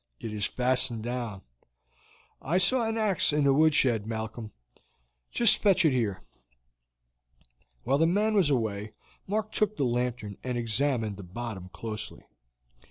"It is fastened down. I saw an ax in the woodshed, Malcolm; just fetch it here." While the man was away Mark took the lantern and examined the bottom closely.